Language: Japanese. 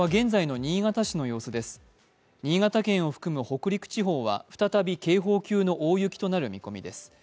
新潟県を含む北陸地方は再び警報級の大雪となる見込みです。